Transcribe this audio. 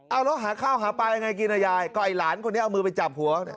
เอาแล้วหาข้าวหาปลายังไงกินอ่ะยายก็ไอ้หลานคนนี้เอามือไปจับหัวเนี่ย